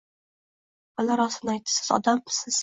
Bola rostin aytdi: „Siz odammisiz..